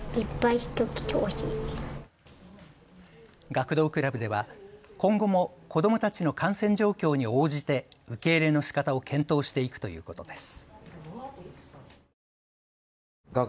学童クラブでは今後も子どもたちの感染状況に応じて受け入れのしかたを検討していくということです。